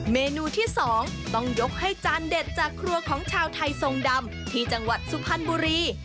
เมนูที่๒ต้องยกให้จานเด็ดจากครัวของชาวไทยทรงดำที่จังหวัดสุพรรณบุรี